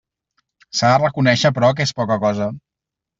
S'ha de reconéixer, però, que és poca cosa.